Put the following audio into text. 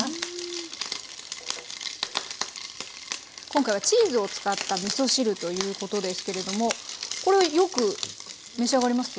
今回はチーズを使ったみそ汁ということですけれどもこれはよく召し上がります？